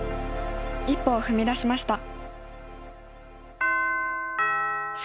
一歩を踏み出しました。